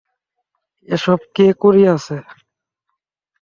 এ সব কে করিয়াছে?